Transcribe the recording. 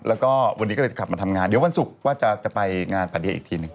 แล้วก็วันนี้ก็เลยกลับมาทำงานเดี๋ยววันศุกร์ว่าจะไปงานปาเดียอีกทีหนึ่ง